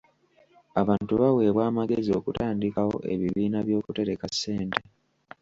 Abantu baweebwa amagezi okutandikawo ebibiina by'okutereka ssente.